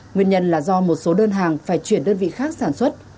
nguyên nhân là do một số đơn hàng phải chuyển đơn vị khác sản xuất